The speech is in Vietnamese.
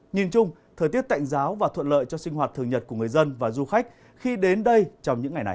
nhìn chung thời tiết tạnh giáo và thuận lợi cho sinh hoạt thường nhật của người dân và du khách khi đến đây trong những ngày này